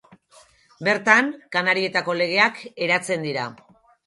Bertan, Kanarietako legeak eratzen dira.